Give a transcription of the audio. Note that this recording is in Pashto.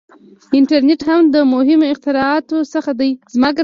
• انټرنېټ هم د مهمو اختراعاتو څخه دی.